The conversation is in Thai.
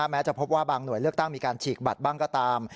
แม้จะพบว่าบางหน่วยเลือกตั้งมีการฉีกบัตรบ้างก็ตาม